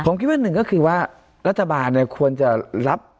ผมคิดว่าหนึ่งก็คือว่ารัฐบาลเนี่ยควรจะรับ